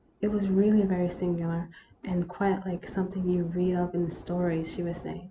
" It was really very singular, and quite like some thing you read of in stories," she was saying.